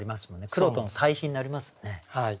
黒との対比になりますよね。